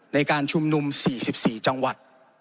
ในการชุมนุม๔๔จังหวัด